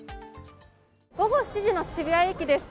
午後７時の渋谷駅です。